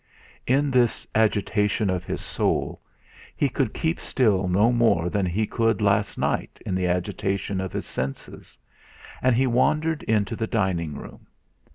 In this agitation of his soul he could keep still no more than he could last night in the agitation of his senses; and he wandered into the dining room.